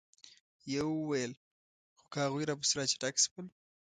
يوه وويل: خو که هغوی راپسې را چټک شول؟